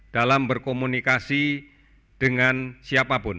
dalam berkomunikasi dengan siapapun